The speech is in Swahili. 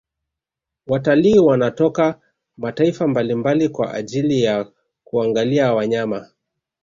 Watalii wanatoka mataifa mbalimbali kwa ajili ya kuangalia wanyama